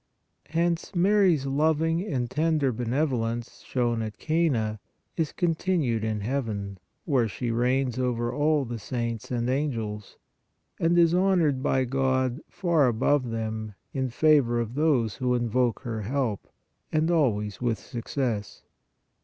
Hence Mary s loving and tender benevolence shown at Cana, is continued in heaven, where she reigns over all the saints and angels, and is honored by God far above them all in favor of those who invoke her help, and always with success.